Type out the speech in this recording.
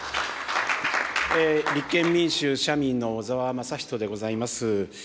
立憲民主・社民の小沢雅仁でございます。